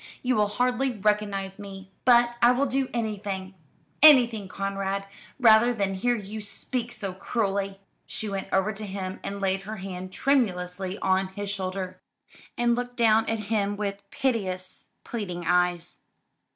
You will hardly recognise me. But I will do anything anything, Conrad, rather than hear you speak so cruelly." She went over to him and laid her hand tremulously on his shoulder, and looked down at him with piteous, pleading eyes.